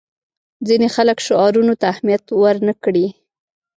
ځینې خلک شعارونو ته اهمیت ورنه کړي.